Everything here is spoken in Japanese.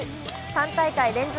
３大会連続